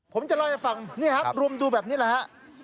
ผมจะเล่าให้ฟังนี่ครับรุมดูแบบนี้แหละฮะ